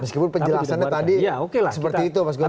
meskipun penjelasannya tadi seperti itu mas guntur ya